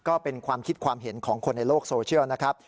ก็เป็นความคิดความเห็นของคนในโลกโซเชียลนะครับ